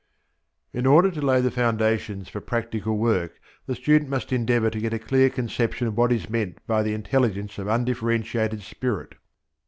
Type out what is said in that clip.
In order to lay the foundations for practical work, the student must endeavour to get a clear conception of what is meant by the intelligence of undifferentiated spirit.